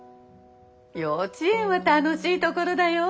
幼稚園は楽しいところだよ。